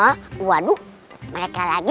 oh waduh mereka lagi